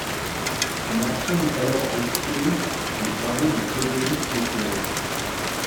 Son action est alors inspirée des travaux de Frédéric Le Play.